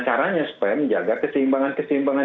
caranya supaya menjaga keseimbangan keseimbangan